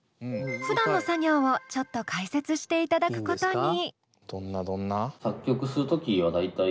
ふだんの作業をちょっと解説していただくことに。